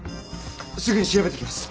すぐに調べてきます。